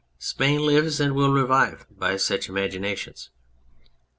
Spain lives, and will revive by such imaginations.